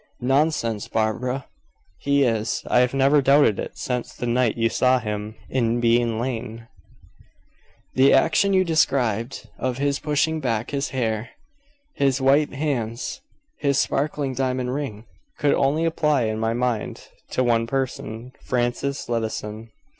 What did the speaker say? "Nonsense, Barbara!" "He is, I have never doubted it since the night you saw him in Bean lane. The action you described, of his pushing back his hair, his white hands, his sparkling diamond ring, could only apply in my mind to one person Francis Levison.